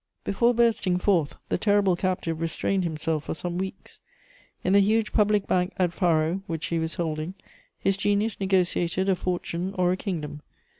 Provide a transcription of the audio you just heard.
Before bursting forth, the terrible captive restrained himself for some weeks. In the huge public bank at faro which he was holding, his genius negociated a fortune or a kingdom.